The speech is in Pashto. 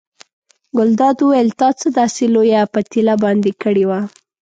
ګلداد وویل تا څه داسې لویه پتیله باندې کړې وه.